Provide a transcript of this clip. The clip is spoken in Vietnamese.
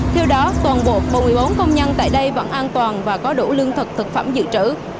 theo đó toàn bộ một mươi bốn công nhân tại đây vẫn an toàn và có đủ lương thực thực phẩm dự trữ